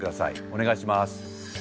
お願いします。